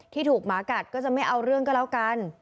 ที่ถูกหมากัดก็จะไม่เอาเรื่องก็แล้วกัน